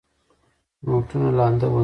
نوټونه لانده ول.